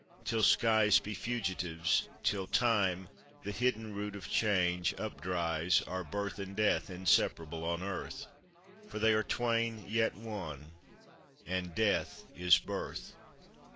Till skies be fugitives, Till Time, the hidden root of change, updries, Are Birth and Death inseparable on earth; For they are twain yet one, and Death is Birth.